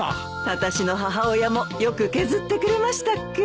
私の母親もよく削ってくれましたっけ。